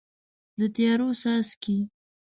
د تیارو څاڅکي